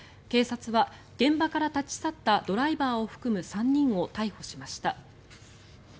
警察は現場から立ち去ったドライバーを含む３人を逮捕しました。